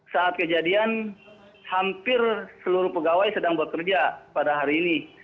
saat kejadian hampir seluruh pegawai sedang bekerja pada hari ini